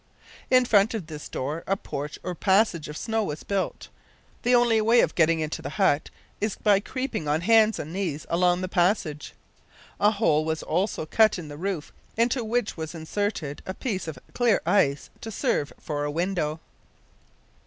In front of this door a porch or passage of snow was built. The only way of getting into the hut is by creeping on hands and knees along the passage. A hole was also cut in the roof, into which was inserted a piece of clear ice, to serve for a window.